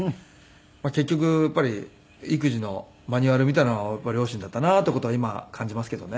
結局やっぱり育児のマニュアルみたいなのは両親だったなっていう事は今感じますけどね。